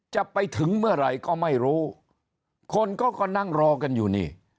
จะไปถึงเมื่อไหร่ก็ไม่รู้คนก็นั่งรอกันอยู่นี่